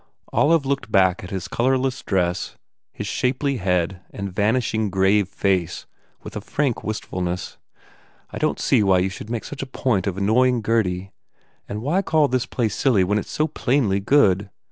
Olive looked back at his colourless dress, his shapely head and vanishing grave face with a frank wistfulness. "I don t see why you should make such a point of annoying Gurdy. And why call this play silly when it s so plainly good?